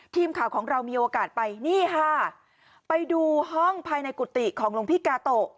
ทีมข่าวของเรามีโอกาสไปนี่ค่ะไปดูห้องภายในกุฏิของหลวงพี่กาโตะ